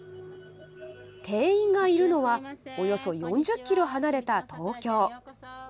店員がいるのは、およそ４０キロ離れた東京。